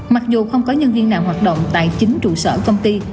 mặc dù không có nhân viên nào hoạt động tại chính trụ sở công ty